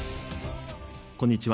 こんにちは。